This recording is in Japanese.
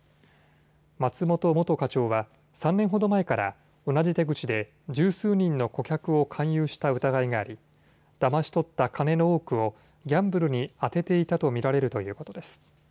松本元課長は３年ほど前から同じ手口で十数人の顧客を勧誘した疑いがありだまし取った金の多くをギャンブルに充てていたと見られるということです。